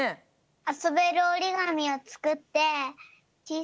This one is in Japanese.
あそべるおりがみをつくってちい